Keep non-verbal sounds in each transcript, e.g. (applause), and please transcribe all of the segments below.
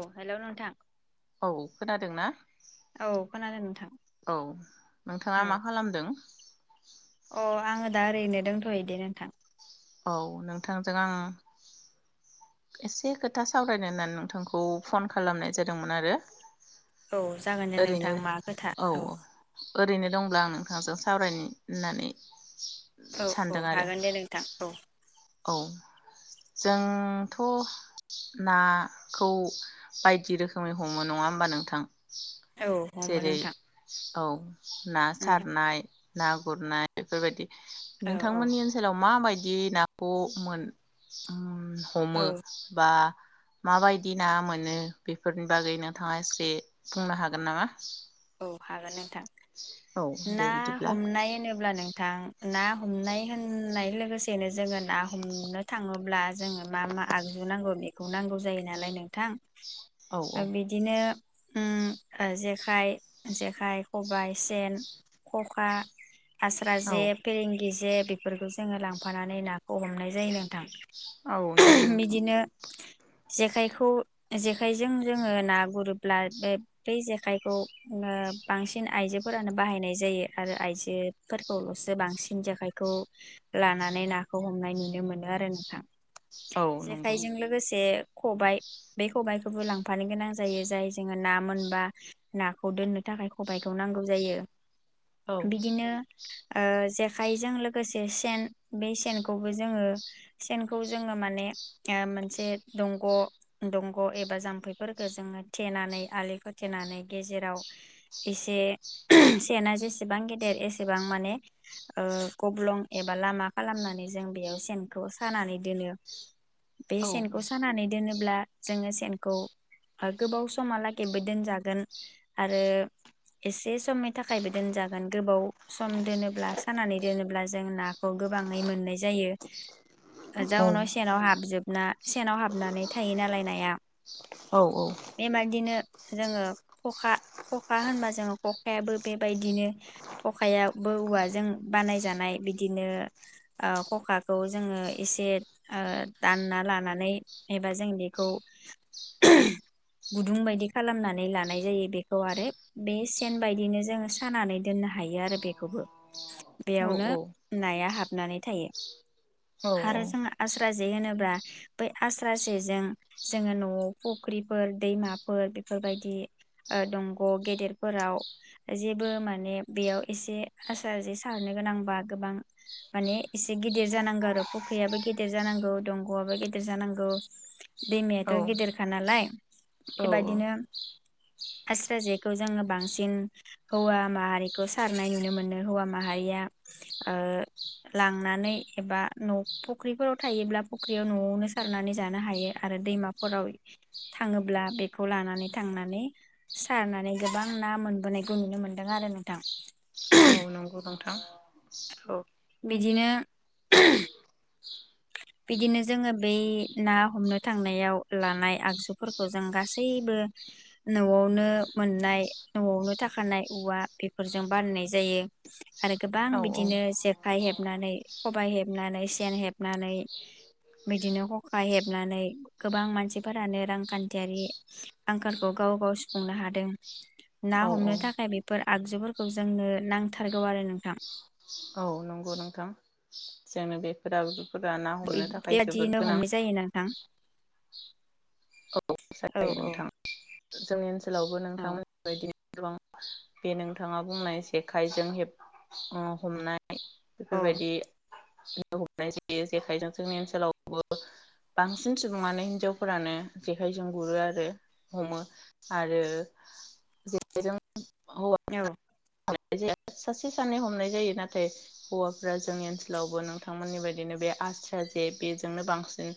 औ हेलौ नोंथां औ खोनादोंना औ खोनादों नोंथां औ नोंथाङा औ मा खालामदों? अ आङो दा ओरैनो दोनथ' दे नोंथां। औ नोंथांजों आं एसे खोथा सावरायनो होननानै नोंथांखौ फन खालामनाय जादोंमोन आरो औ जागोन दे ओरैनो नोंथां मा खोथा औ ओरैनो दंब्ला आं नोंथांजों सावरायनो होननानै औ औ सानदों आरो हागोन दे नोंथां औ औ जोंथ' नाखौ बायदि रोखोमै हमो नङा होमबा नोंथां औ नंगौ जेरै नोंथां। औ ना उम सारनाय ना गुरनाय बेफोरबायदि औ औ नोंथांमोननि ओनसोलाव मा बायदि दि ना ब मोन औ हमो बा माबायदि ना मोनो बेफोरनि बागै नोंथाङा एसे बुंनो हागोन नामा? औ हागोन नोंथां औ दे ना बिदिब्ला हमनाय होनोब्ला नोंथां ना हमनाय होननाय लोगोसेनो जोङो ना हमनो थाङोब्ला। जोङो मा मा आगजु नांगौनि खौ नांगौ जायो नालाय नोंथां। औ ओ औ बिदिनो उम ओ जेखाय जेखाइ, खबाइ, सेन, खखा आस्रा औ जे, फोरेग गिजे बेफोरखौ जोङो लांफानानै नाखौ हमनाय जायो नोंथां। औ नंगौ नोंथां बिदिनो जेखायखौ खाइजों जोङो ना गुरोब्ला बे बै जेखाइखौ ओ बांसिन आइजोफोरानो बाहायनाय जायो आरो आइजोफोरखौल'सो बांसिन जेखाइखौ लानानै नाखौ हमनाय नुनो मोनो आरो नोंथां। औ नंगौ जेखाइजों लोगोसे खबाय बे खबाइखौबो लांफानो गोनां जायो जाय जोङो ना मोनबा नाखौ दोननो थाखाय सबायखौ नांगौ जायो। औ बिदिनो ओ जेखाइजों लोगोसे सेन बे सेनखौबो जोङो सेनखौ जोङो माने मोनसे दंग' दंग' एबा जाम्फैफोरखौ जोङो थेनानै आलि खो थेनानै गेजेराव एसे सेनाआ जेसेबां गेदेर एसेबां माने ओ गब्लं एबा लामा खालामनानै जों बेयाव सेनखौ सानानै दोनो। बे औ सेनखौ सानानै दोनोब्ला जोङो सेनखौ गोबाव समालागैबो दोनजागोन। आरो एसे समनि थाखायबो दोनजागोन गोबाव सम दोनोब्ला सानानै दोनोब्ला जों नाखौ गोबाङै मोननाय जायो औ जाउनाव सेनाव हाबजोबना सेनाव हाबनानै थायो नालाय नाया औ बेबादिनो जोङो। ख'खा ख'खा होनबा जोङो ख'खायाबो बेबायदिनो ख'खायाबो औवाजों बानायजानाय बिदिनो ओख'खाखौ जोङो एसे ओ दानना लानानै एबा जों बेखौ गुदुं बायदि खालामनानै लाना नाय जायो बे आरो बे सेन बायदिनो जोङो सानानै दोननो हायो आरो बेखौबो। औ बेयावनो नाया हाब नानै थायो। हारो जों आस आस्रा जे होनोब्ला बै आस्रा जेजों जोङो न'आव फुख्रिफोर दैमाफोर बेफोरबायदि ओ दंग' गेदेरफोराव जेबो माने बेयाव एसे आसार जे सारनो गोनांबा गोबां माने एसे गिदिर जानांगौ आरो फुख्रियाबो गेदिर जानांगौ दंग'आबो गेदेर जानांगौ औ दैमायाथ' गेदेरखा नालाय औ बेबाददिनो आस्रा जेखौ जोङो बांसिन हौवा माहारिखौ सारनाय नुनो मोनो हौवा माहारिया ओ लांनानै एबा न' फुख्रिफोराव थायोब्ला फुख्रियाव न'आवनो सारनानै जानो हायो आरो दैमाफोराव थाङोब्ला बेखौ लानानै थांना सारनानै गोबां ना मोनबोनायखौ नुनो मोनदों आरो नोंथां। औ नंगौ नोंथां औ बिदिनो। बिदिनो जोङो बै ना हमनो थांनायाव लानाय आगजुफोरखौ जों गासैबो न'आवनो मोननाय न'आवनो थाखानाय औवा बेफोरजों बानायनाय जायो आरो गोबां औ बिदिनो जेखाइ हेबनानै खबाय हेबनानै सेन हेब नानै बिदिनो ख'खा हेबनानै गोबां मानसिफोरानो रांखान्थियारि आंखालखौ गाव गाव सुफुंनो हादों ना औ औ हमनो थाखाय बेफोर आगजुफोरखौ जोंनो नांथारगौ आरो नोंथां। नगौ नोथां जोङो बेफोर ना हमनो थाखाय जोबोर बेबायादिनो गोनां हमनाय जायो नोंथां। (unintelligible) औ जायो औ नोंथां जोंनि ओनसोल आवबो औ नोंथांमोननि बायदि गोबां बे नोंथाङा बुंनाय जेखाइजों हेब हमनाय औ बेफोरबायदि। हमनाय जायो जेखायजों जोंनि ओनसोलावबो बांसिन सुबुङानो हिनजावफोरानो आखाइजों गुरो आरो हमो आरो जेजों औ। (unintelligible) सासे सानै हमनाय जायो नाथाय हौवाफ्रा जोंनि ओनसोलावबो नोंथांमोननि बायदिनो बे आस्रा जे बेजोंनो बांसिन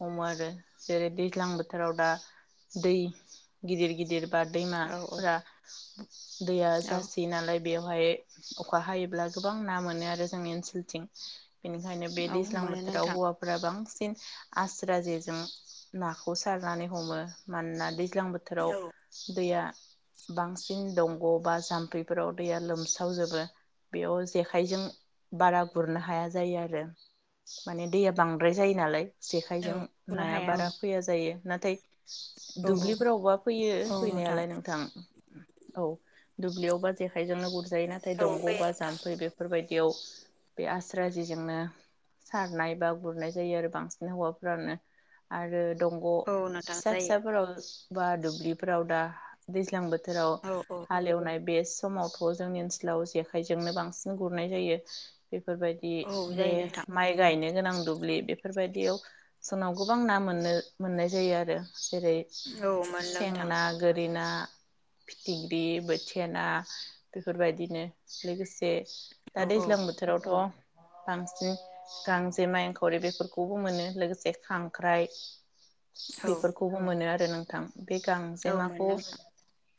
हमो आरो जेरै दैज्लां बोथोराव दा दै गिदिर गिदिर बा औ दैमाफोरा दैया औ जासे। बि नालाय बेवहाय अखा हायोब्ला गोबां ना मोनो आरो जोंनि ओनसोलथिं बेनिखायनो बे औ दैज्लां मोनो बोथोराव नोंथां हौवाफोरा बांसिन आस्रा जेजों नाखौ सारनानै हमो मानोना दै ज्लां बोथोराव औ दैया बांसिन दंग' बा जाम्फै बेफोराव दैया लोमस्रावजोबो बेयाव जेखाइजों बारा गुरनो हाया जायो आरो माने दैया बांद्राय जायो नालाय। औ जेखाइजों खनो नाया हाया औ बारा फैया जायो नाथाय औ औ दुब्लिफ्रावबा फैयो फैनायालाय नोंथां औ दुब्लियावबा जेखाय जोंनो गुरजायो नाथाय औ दंग' फैयो बा नोंथां जाम्फै बेफोर बायदियाव बे आस्रा जेजोंनो सारनाय बा गुरनाय जायो आरो बांसिन हौवाफोरानो आरो दंग' औ नोंथां फिसा जायो फिसाफोराव बा दुब्लिफोराव दा दैज्लां बो थोराव औ हालेवनाय बेस समावथ' जोंनि ओनसोलाव जेखाइजोंनो बांसिन गुरनाय जायो बेफोरबायदि औ बे जायो नोंथां माइ गायनो गोनां दुब्लि बे बेफोरबायदियाव जोंनाव गोबां ना मोननो मोननाय जायो आरो जेरै औ मोनो सें नोंथां ना, गोरि ना फिथिख्रि, बोथिया ना बेफोरबायदिनो लोगोसे दा औ औ दैज्लां बोथोरावथ' बांसिन गांजेमा, इंखावरि बेफोरखौबो मोनो लोगोसे खांख्राइ औ बेफोरखौबो मोनो आर रो नोंथां। बे औ मोनो गांजेमाखौ नोंथां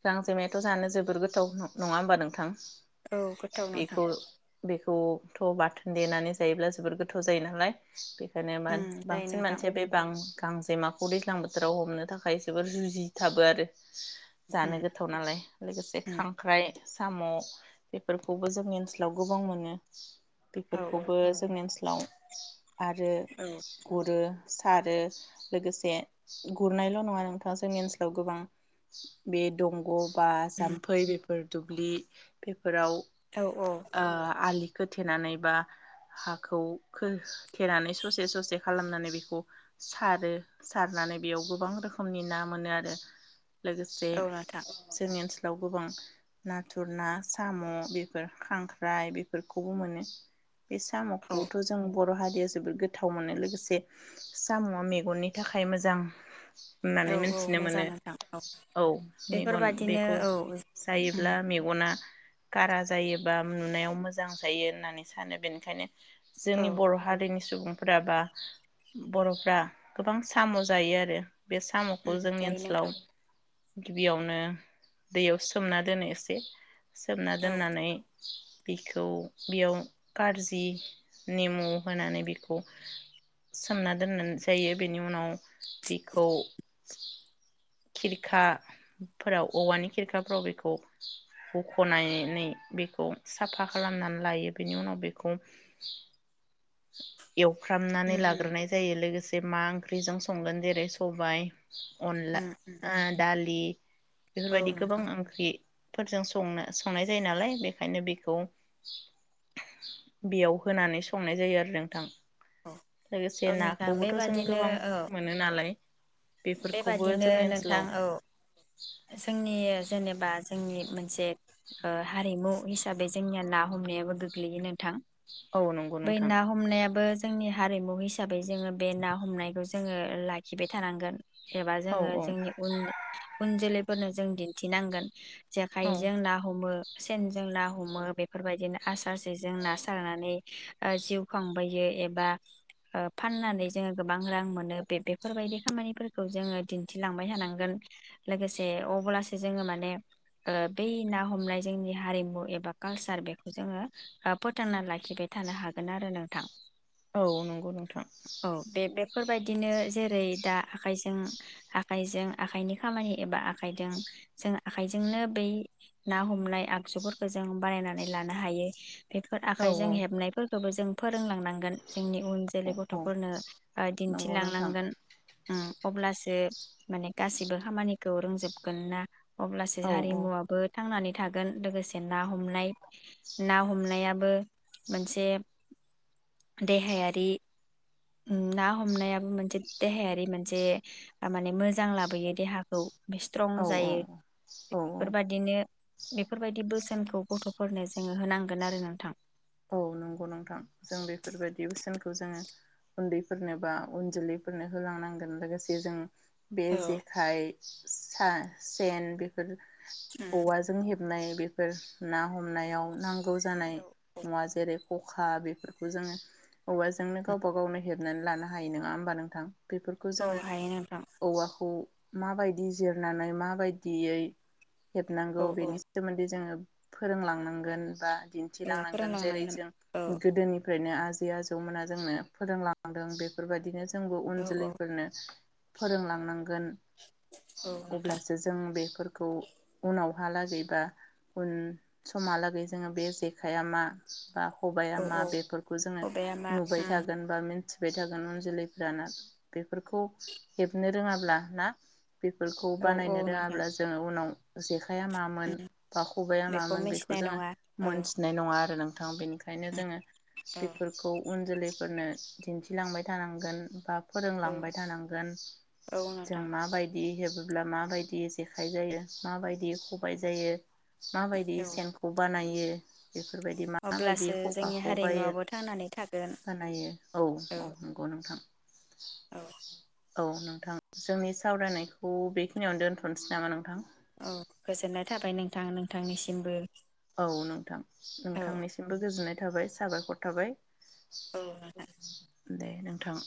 गांजेमायाथ' जानो जोबोर गोथाव नङा होमबा नोंथां? औ गोथाव नोंथां। बेखौ बेखौथ' बाथोन देनानै जायोब्ला जोबोर गोथाव जायो नालाय बे उम (unintelligible) जायो बांसिन नोंथां मानसिया बे गां गांजेमाखौ दैज्लां बोथोराव हमनो थाखाय जोबोर जुजिथाबो आरो जानो उम गोथाव नालाय लोगोसे उम खां ख्राय, साम' बेफोरखौबो जोंनि ओनसोलाव गोबां मोनो। औ औ बेफोरखौबो जोंनि ओनसोल लाव आरो औ गुरो सारो लोगोसे गुरनायल' नङा नोंथाङा जोंनि ओनसोलाव गोबां बे दंग' बा जाम्फै बेफोर फोर दुब्लि बे फोराव औ औ ओ आलि खोथेनानै बा हाखौ खोथेनानै स'से स'से खालामनानै बिखौ सारो सारनानै बेयाव गोबां रोखोमनि ना मोनो आरो। लोगोसे औ नोंथां जोंनि ओनसोलाव दाव गोबां नाथुर ना साम' बेफोर खांख्राइ बेफोरखौबो मोनो। बे औ साम'खौथ जों बर' हारि यो जोबोद गोथाव मोनो लोगोसे साम'आ मेगननि थाखाय मोजां। होननानै औ औ मिथिनो मोजां मोनो नोंथां औ मेगन बेफोरबादिनो बेखौ औ थायोब्ला मेगना गारा जायोबा नुनायाव मोजां जायो होननानै सानो बेनिखायनो औ जोंनि बर' हारिनि सुबुं फ्रा बा बर'फ्रा गोबां साम' जायो आरो। बे साम'खौ जोंनि जायो ओनसोलाव नोंथां गिबियावनो दैयावसो सोमना दोनो एसे सोमना औ दोननानै बिखौ बेयाव कारजि नेमु होनानै बेखौ सोमना दोननाय जायो बेनि उनाव बिखौ खिरखाफोराव औवानि खिरखा फ्राव बेखौ बख'नानै बेखौ साफा खालामनानै लायो बेनि उनाव बेखौ (inaudible) एवफ्रामनानै उम उम लाग्रोनाय जायो लोगोसे मा ओंख्रिजों संगोन जेरै सबाय अनला उम आ ओ दालि औ बेफोरबायदि गोबां नोंथां ओंख्रि फोरजों संनो संनाय जायो नालाय बेखायनो बेखौ बेयाव होनानै संनाय जायो आरो नोंथां। औ लोगोसे औ नोंथां नाखौबोथ' जों गोबां मोनो नालाय। बे बेफोरखौबो बादिनो जोंनि ओनसोलाव नोंथां औ जोंनि जेनेबा जोंनि मोनसे ओ हारिमु हिसाबै जोंनिया ना हमनायाबो गोग्लैयो नोंथां। औ नंगौ बै नोंथां ना हमनायाबो जोंनि हारिमु हिसाबै जोङो बे ना हमनायखौ जोङो लाखिबाय थानांगोन। एबा औ जोङो औ जोंनि उन उन जोलै फोरनो जों दिन्थिनांगोन। औ जेखाइजों ना हमो सेनजों ना हमो बेफोरबायदिनो आस बा जेजों ना सारनानै ओ जिउ खांबोयो एबा ओ फाननानै जोङो गोबां रां मोनो बे बेफोर बायदि खामानिफोर खौ जोङो दिन्थिलांबाय थानांगोन लोगोसे अब्लासो जोङो माने ओ बै ना हमनाय जोंनि हारिमु एबा कालसार बेखौ जोङो फोथांना लाखिबाय थानो हागोन आरो नोंथां। औ नंगौ नोंथां फोरबायदिनो जेरै- दा खाइजों आखाइजों आखाइनि खामानि एबा आखाइजों जों आखाइजोंनो बै ना हमनाय आगजुफोरखौ जों बानायनानै लानो हाय बेफोर औ आखाइजों हेबनायफोर गोबो जों फोर फोरोंलांनांगोन जोंनि उन जोलै औ औ गथफोरनो ओ नंगौ नोंथां दिन्थिलांनांगोन। ओम अब्लासो माने गासिबो खामानिखौ रोंजोबगोन ना अब्लासो औ औ हारिमुवाबो थांनानै थागोन लोगोसे ना हनाय ना हमनाया बो मोनसे देहायारि ना हमनायाबो मोनसे देहा बे मोनसे तामाने मोजां लाबोयो देहाखौ स्ट्रं औ जायो औ औ बेफोरबादिनो बेफोरबायदि बोसोनखौ गथ'फोरनो जोङो होनांगोन आरो नोंथां औ नंगौ नोंथां जों बेफोरबायदि बोसोनखौ जोङो उन्दैफोरनो बा उन जोलैफोरनो होलांनांगोन लोगोसे जों बे जेखाइ सा सेन बेफोर औवाजों हेब नाय बेफोर ना हमनायाव नां गौ जानाय जेरै- खखा बेफोरखौ जोङो औवाजोंनो गावबा गावनो हेबनानै बेफोरखौ औ जोङो हायो नोंथां औवाखौ माबायदि जिरनानै माबायदियै औ हेबनांगौ औ बेनि सोमोन्दै जोङो फोरोंलांनांगोन बा दिन्थिलांनां गोन जों जेरै- फोरोंलांनांगोन जों औ गोदोनिफ्रायनो आ आजै आजौमोना जोंनो फोरोंलांदों बेफोरबायदिनो जोंबो उन औ औ जोलैफोरनो फोरोंलांनां गोन औ नोंथां अब्लासो जों बेफोर खौ उनावहालागै बा उन समहालागै जोङो बे जेखाइआ मा बा खबाया औ मा औ बेफोरखौ जोङो खबाया मा नुबाय उम थागोन बा मिनथि बाय थागोन उन जोलैफ्रा ना बेफोरखौ हेबनो रोङाब्ला ना बेफोरखौ औ औ बानायनो नोंथां रोङाब्ला जोङो उनाव जेखाइया मामोन बा खबाइआ मामोन बेखौ मिथिनाय जोङो नङा औ मोनथिनाय नङा आरो नों थ' बेनि खायनो जोङो औ बेफोरखौ उन जोलै फोरनो दिन्थिलांबाय थानांगोन बा औ फोरोंलांबाय थानांगोन औ जों नोंथां माबायदि हेब बोब्ला माबायदि जेखाइ जायो माबायदि खबाइ जायो माबायदि औ सेनखौ बानायो यो बेफोरबायदि मा माबायदि अब्लासो जोंनि खखाखौ बायो हारिमुवाबो थांनानै थागोन बानायो औ औ नंगौ नोंथां। औ औ नोंथां जोंनि सावरायनायखौ बेखिनियावनो दोनथ'नोसै नामा नोंथां? औ गोजोननाय थाबाय नोंथां नों थांनिसिमबो औ नोंथां नोंथांनिसिमबो गोजोननाय थाबाय साबायखर थाबाय। औ (inaudible) दे नोंथां।